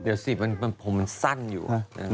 เดี๋ยวสิมันผมซั่นอยู่